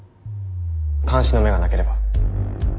監視の目がなければ。